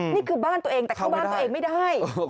นี่คือบ้านตัวเองแต่เข้าบ้านตัวเองไม่ได้